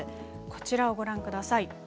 こちらをご覧ください。